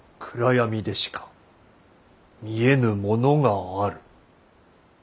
「暗闇でしか見えぬものがある。